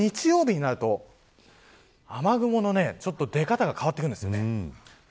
これが日曜日になると雨雲の出方が変わってきます。